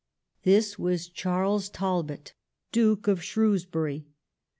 This was Charles Talbot, Duke of Shrewsbury.